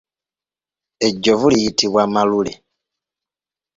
Ejjovu liyitibwa malule.